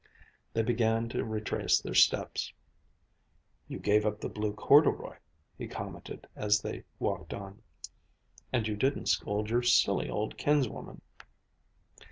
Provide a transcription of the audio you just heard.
They began to retrace their steps. "You gave up the blue corduroy," he commented as they walked on, "and you didn't scold your silly old kinswoman."